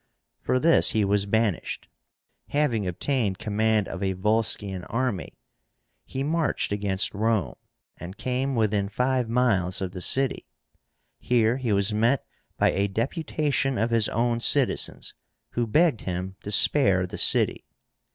For this he was banished. Having obtained command of a Volscian army, he marched against Rome, and came within five miles of the city. Here he was met by a deputation of his own citizens, who begged him to spare the city.